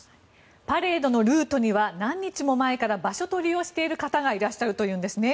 パレードのルートには何日も前から場所取りをしている方がいらっしゃるというんですね。